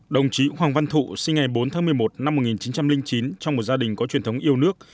đồng chí hoàng văn thụ sinh ngày bốn tháng một mươi một năm một nghìn chín trăm linh chín trong một gia đình có truyền thống yêu nước